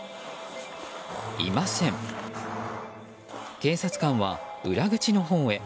警察官は裏口のほうへ。